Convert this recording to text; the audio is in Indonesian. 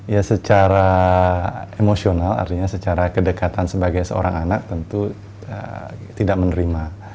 ya secara emosional artinya secara kedekatan sebagai seorang anak tentu tidak menerima